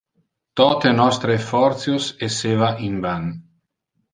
Tote nostre effortios esseva in van.